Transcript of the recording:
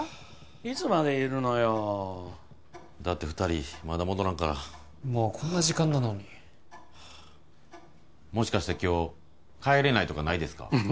いつまでいるのよだって二人まだ戻らんからもうこんな時間なのにもしかして今日帰れないとかないですか？